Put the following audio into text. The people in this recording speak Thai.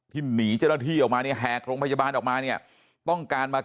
หนีเจ้าหน้าที่ออกมาเนี่ยแหกโรงพยาบาลออกมาเนี่ยต้องการมา